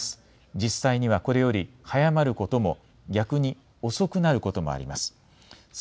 実際にはこれより早まることも逆に遅くなることもあります。